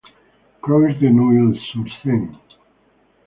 Croix de Neuilly-sur-Seine.